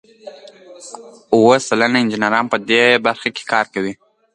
اوه سلنه انجینران په دې برخه کې کار کوي.